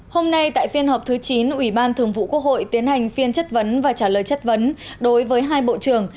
hôm nay tại phiên họp thứ chín ủy ban thường vụ quốc hội tiến hành phiên chất vấn và trả lời chất vấn đối với hai bộ trưởng